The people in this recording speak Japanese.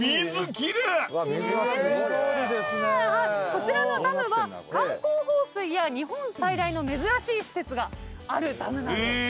こちらのダムは観光放水や日本最大の珍しい施設があるダムなんです。